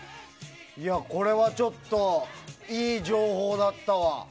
これはちょっといい情報だったわ。